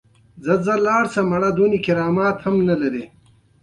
ماران او جوګیان یو کال تر مځکې لاندې ژوند کوي.